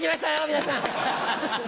皆さん！